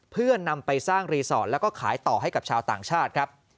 เพื่อนำไปสร้างรีสอร์ทแล้วก็ขายต่อให้กับชาวต่างชาติครับ